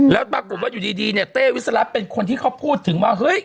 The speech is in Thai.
แล้วปรากฏว่าอยู่ดีเนี่ยเต้วิสรัฐเป็นคนที่เขาพูดถึงว่าเฮ้ย